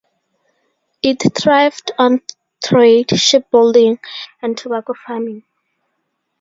It thrived on trade, shipbuilding and tobacco farming.